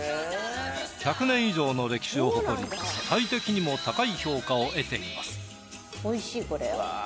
１００年以上の歴史を誇り世界的にも高い評価を得ています。